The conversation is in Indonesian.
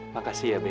makasih ya be